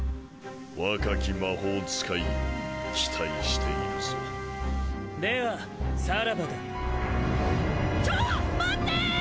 若き魔法使いよ期待しているぞではさらばだちょ待ってー！